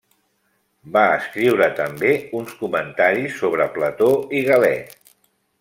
Va escriure també uns comentaris sobre Plató i Galè.